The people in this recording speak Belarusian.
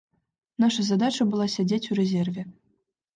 Наша задача была сядзець у рэзерве.